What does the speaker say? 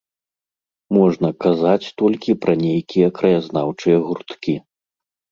Можна казаць толькі пра нейкія краязнаўчыя гурткі.